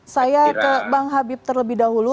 saya ke bang habib terlebih dahulu